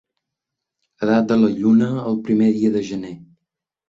Edat de la lluna el primer dia de gener.